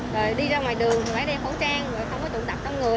rồi đi ra ngoài đường phải đeo khẩu trang rồi không có tụng tập con người